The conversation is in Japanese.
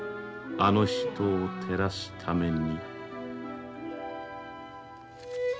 あの人を照らすために。